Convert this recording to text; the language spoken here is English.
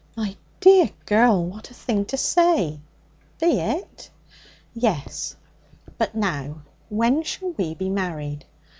'My dear girl! What a thing to say!' 'Be it?' 'Yes. But now, when shall we be married?'